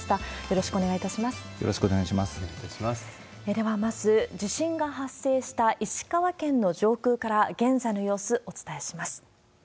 では、まず地震が発生した石川県の上空から、現在の様子、お伝えします。